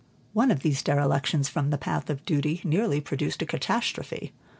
One of these derelictions from the path of duty, nearly produced a catastrophe.